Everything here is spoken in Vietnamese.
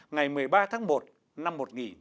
ngày một mươi ba tháng một năm một nghìn chín trăm bảy mươi